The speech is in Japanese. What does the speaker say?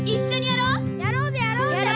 やろうぜやろうぜ！